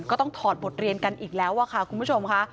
ถอดบทเรียนกันอีกแล้วค่ะคุณผู้ชมค่ะ